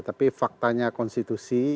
tapi faktanya konstitusi